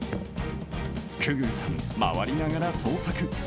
久々宇さん、回りながら捜索。